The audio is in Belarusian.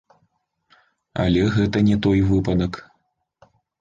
Але гэта не той выпадак.